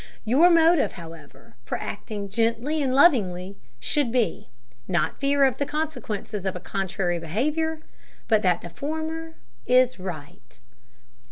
Your motive, however, for acting gently and lovingly should be, not fear of the consequences of a contrary behaviour, but that the former is right.